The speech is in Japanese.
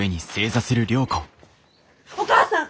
お義母さん！